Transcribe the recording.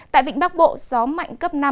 tại vịnh bắc bộ gió mạnh cấp năm